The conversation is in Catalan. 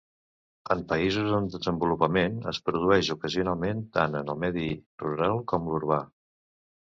En països en desenvolupament es produeix ocasionalment tant en el medi rural com l'urbà.